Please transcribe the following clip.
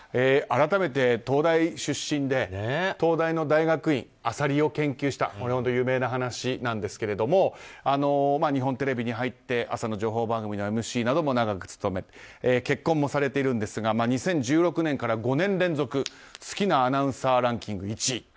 改めて東大出身、東大の大学院でアサリを研究したこれは有名な話ですが日本テレビに入って朝の情報番組のＭＣなども長く務め結婚もされているんですが２０１６年から５年連続好きなアナウンサーランキング１位。